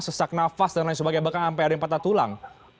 sesak nafas dan lain sebagainya bahkan sampai ada yang patah tulang